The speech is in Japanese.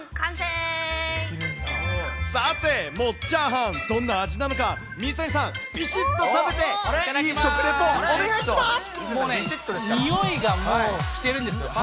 さて、もっチャーハン、どんな味なのか、水谷さん、びしっと食べて、いい食レポ、もうね、匂いがもう、してるんです。